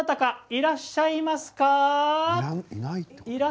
いらっしゃいますか。